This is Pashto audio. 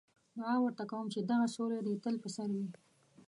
دعا ورته کوم چې دغه سیوری دې تل په سر وي.